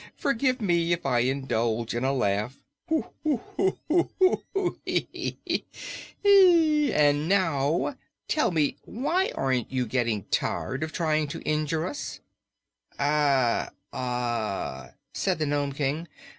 Forgive me if I indulge in a laugh hoo, hoo, hoo hee, heek keek eek! And now, tell me; aren't you getting tired of trying to injure us?" "Eh heh," said the Nome King.